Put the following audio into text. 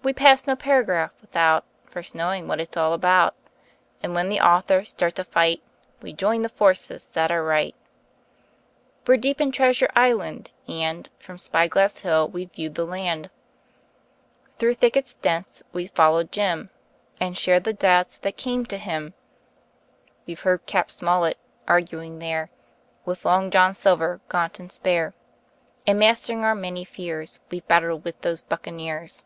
We pass no paragraph without First knowing what it's all about, And when the author starts a fight We join the forces that are right. We're deep in Treasure Island, and From Spy Glass Hill we've viewed the land; Through thickets dense we've followed Jim And shared the doubts that came to him. We've heard Cap. Smollett arguing there With Long John Silver, gaunt and spare, And mastering our many fears We've battled with those buccaneers.